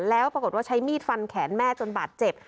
แล้วปรากฏว่าใช้มีดฟันแขนแม่จนบาดเจ็บ